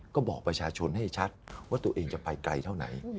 ก็บอกประชาชนให้ชัดว่าตัวเองจะไปไกลเท่าไหน